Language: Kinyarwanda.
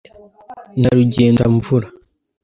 na rugendamvura